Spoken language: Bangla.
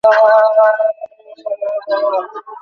ঠিক যেন বর্ষাকালের ফুটন্ত ম্যাগনোলিয়া ফুল।